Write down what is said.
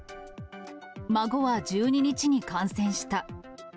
孫は１２日に感染した。